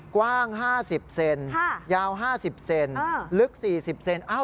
กว้าง๕๐เซนติเมตรยาว๕๐เซนติเมตรลึก๔๐เซนติเมตร